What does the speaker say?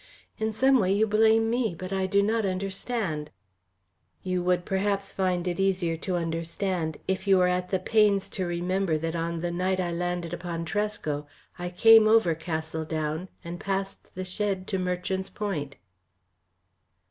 "In some way you blame me, but I do not understand." "You would, perhaps, find it easier to understand if you were at the pains to remember that on the night I landed upon Tresco, I came over Castle Down and past the shed to Merchant's Point."